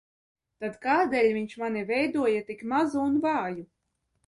Tad kādēļ viņš mani veidoja tik mazu un vāju?